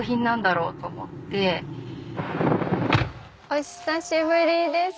お久しぶりです。